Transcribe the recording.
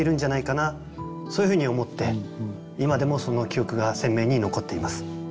そういうふうに思って今でもその記憶が鮮明に残っています。